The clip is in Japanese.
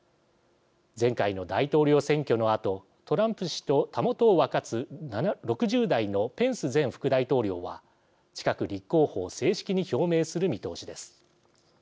前回の大統領選挙のあとトランプ氏とたもとを分かつ６０代のペンス前副大統領は近く立候補を正式に表明する見通しです。